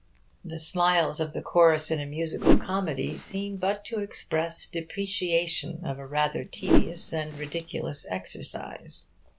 The smiles of the chorus in a musical comedy seem but to express depreciation of a rather tedious and ridiculous exercise.